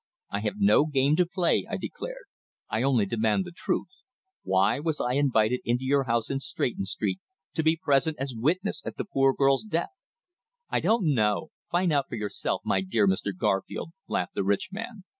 "I have no game to play," I declared. "I only demand the truth. Why was I invited into your house in Stretton Street to be present as witness at the poor girl's death?" "I don't know. Find out for yourself, my dear Mr. Garfield," laughed the rich man.